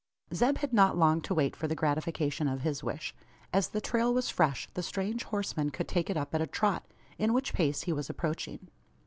Zeb had not long to wait for the gratification of his wish. As the trail was fresh, the strange horseman could take it up at a trot in which pace he was approaching.